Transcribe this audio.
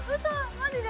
マジで？